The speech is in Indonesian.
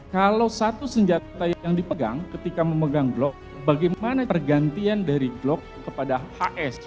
kalau satu senjata yang dipegang ketika memegang blok bagaimana pergantian dari glock kepada hs